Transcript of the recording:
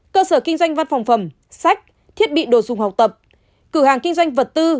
cơ sở kinh doanh văn phòng phẩm sách thiết bị đồ dùng học tập cửa hàng kinh doanh vật tư